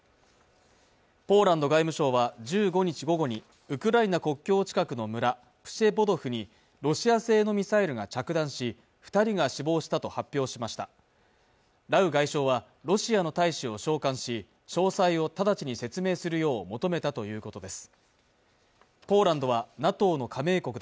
ポーランド外務省は１５日午後にウクライナ国境近くの村プシェボドフにロシア製のミサイルが着弾し二人が死亡したと発表しましたラウ外相はロシアの大使を召還し詳細を直ちに説明するよう求めたということです